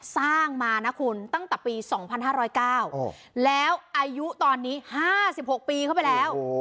สร้างมานะคุณตั้งแต่ปีสองพันห้าร้อยเก้าแล้วอายุตอนนี้ห้าสิบหกปีเข้าไปแล้ว